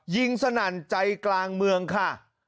สนั่นใจกลางเมืองค่ะ